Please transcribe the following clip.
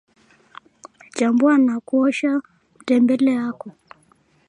chambua na kuosha mtembele yako